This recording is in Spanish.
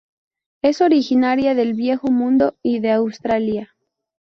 Es originaria del Viejo Mundo y de Australia.